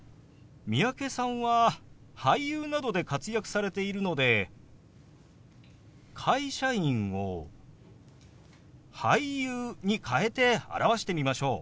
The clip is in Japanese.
三宅さんは俳優などで活躍されているので「会社員」を「俳優」に変えて表してみましょう。